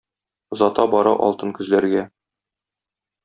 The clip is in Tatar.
Озата бара алтын көзләргә.